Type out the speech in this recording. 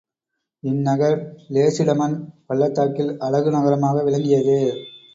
இந்நகர் லேசிடமன் பள்ளத்தாக்கில் அழகு நகரமாக விளங்கியது.